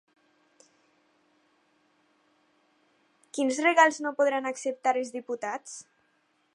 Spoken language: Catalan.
Quins regals no podran acceptar els diputats?